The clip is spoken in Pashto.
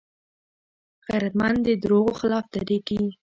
غیرتمند د دروغو خلاف دریږي